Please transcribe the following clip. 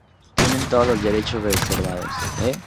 Tiene todos los derechos reservados.